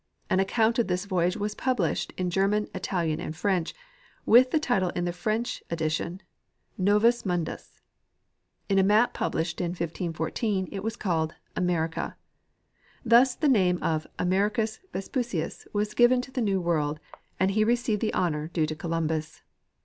An account of this voyage was published in German, Italian and French, with the title in the French edition, '"'' Novus Mundusy In a map published in 1514 it was called "America." Thus the name of Americus Vespucius was given to the ncAV world, and he received the honor due to Columbus.